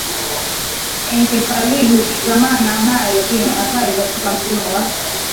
enkephalini hushikamana nayo ina athari katika mfumo wa